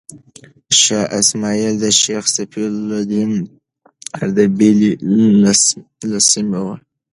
شاه اسماعیل د شیخ صفي الدین اردبیلي لمسی و.